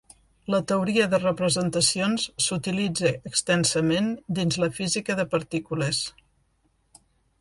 La teoria de representacions s'utilitza extensament dins la física de partícules.